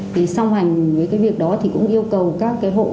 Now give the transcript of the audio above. thì song hành với cái việc đó thì cũng yêu cầu các cái hộ